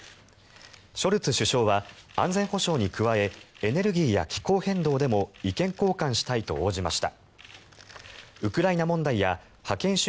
ショルツ首相は安全保障に加えエネルギーや気候変動でも意見交換したいと応じました。